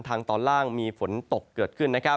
ทางตอนล่างมีฝนตกเกิดขึ้น